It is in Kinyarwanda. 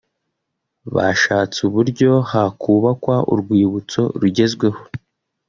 bashatse uburyo hakubakwa urwibutso rugezweho